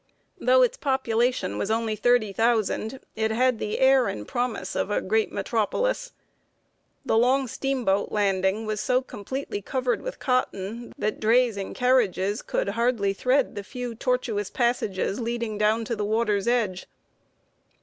Though its population was only thirty thousand, it had the air and promise of a great metropolis. The long steamboat landing was so completely covered with cotton that drays and carriages could hardly thread the few tortuous passages leading down to the water's edge.